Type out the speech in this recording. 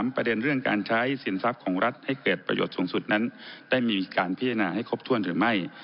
ประเด็นเรื่องการใช้สินทรัพย์ของรัฐให้เกิดประโยชน์สูงสุดนั้นได้มีการพิจารณาให้ครบถ้วนหรือไม่